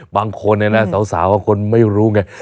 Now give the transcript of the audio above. บางคนเนี่ยนะสาวบางคนไม่รู้ไง